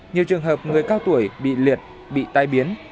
nhiều trường hợp người cao tuổi bị liệt bị tai biến